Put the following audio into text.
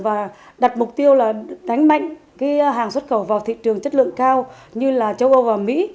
và đặt mục tiêu là đánh mạnh hàng xuất khẩu vào thị trường chất lượng cao như là châu âu và mỹ